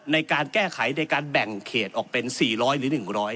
ในการแก้ไขในการแบ่งเขตออกเป็น๔๐๐หรือ๑๐๐